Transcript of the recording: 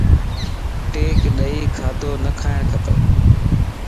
ٽيڪ ڏيئ کاڌو نھ کاڻ کپا